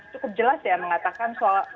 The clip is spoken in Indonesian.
cukup jelas ya mengatakan soal